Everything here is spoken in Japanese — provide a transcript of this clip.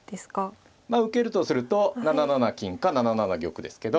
受けるとすると７七金か７七玉ですけど。